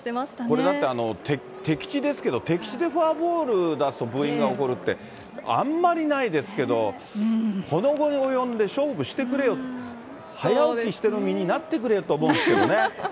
これだって、敵地ですけど、敵地でフォアボール出すとブーイングが起こるって、あんまりないですけど、この期に及んで勝負してくれよ、早起きしてる身にもなってくれよと思うんですけどね。